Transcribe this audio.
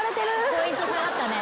ポイント下がったね。